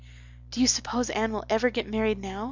"Do you s'pose Anne will ever get married now?"